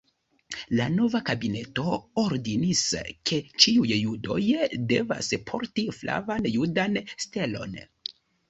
La nova kabineto ordonis, ke ĉiuj judoj devas porti flavan judan stelon.